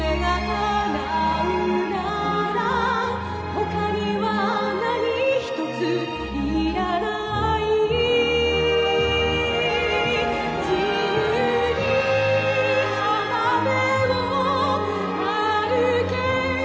「他には何一ついらない」「自由に浜辺を歩ける」